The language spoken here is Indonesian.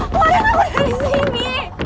waduh aku dari sini